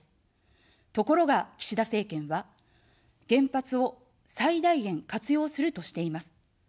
ところが、岸田政権は、原発を最大限活用するとしています。